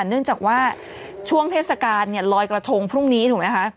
เนื่องจากว่าช่วงเทศกาลลอยกระทงพรุ่งนี้ถูกไหมคะ